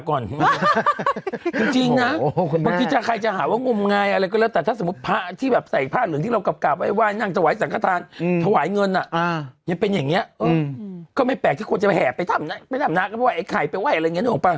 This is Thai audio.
ก็ไม่แปลกที่คนจะแห่บไปทำคะไปทำงานก็เว้ยอีกไข่ไปไหว่อะไรยังเงี้ยหนูอ่ะหรือเป้า